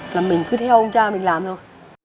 là mình cứ theo ông cha mình làm thôi